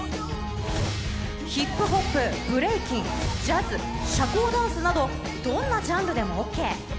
ヒップホップ、ブレイキン、ジャズ、社交ダンスなど、どんなジャンルでもＯＫ。